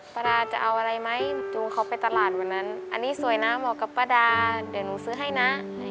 ประดาจะเอาอะไรไหมจูงเขาไปตลาดวันนั้นอันนี้สวยนะเหมาะกับป้าดาเดี๋ยวหนูซื้อให้นะ